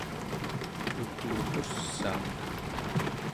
lugluqussaaq